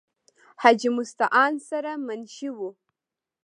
حاجې مستعان سره منشي وو ۔